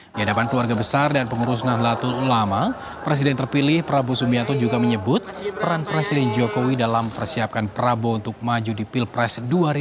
di hadapan keluarga besar dan pengurus nahdlatul ulama presiden terpilih prabowo subianto juga menyebut peran presiden jokowi dalam persiapkan prabowo untuk maju di pilpres dua ribu sembilan belas